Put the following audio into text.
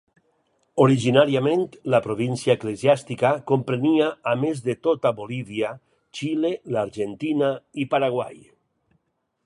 Originàriament la província eclesiàstica comprenia, a més de tota Bolívia, Xile, l'Argentina i Paraguai.